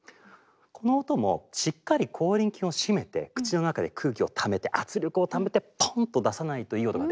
この音もしっかり口輪筋を締めて口の中で空気をためて圧力をためてポンと出さないといい音が出ないんですよね。